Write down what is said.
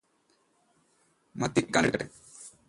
മത്തി പൊരിക്കാനെടുക്കട്ടേ?